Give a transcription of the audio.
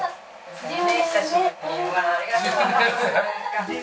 ありがとうございます。